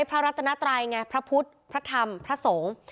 รัตนาไตรไงพระพุทธพระธรรมพระสงฆ์